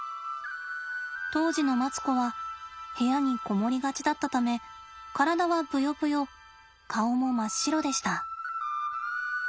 当時のマツコは部屋に籠もりがちだったため体はぶよぶよ顔も真っ白でした。